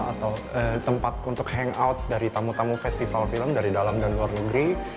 atau tempat untuk hangout dari tamu tamu festival film dari dalam dan luar negeri